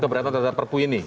keberatan terhadap perpu ini